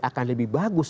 akan lebih bagus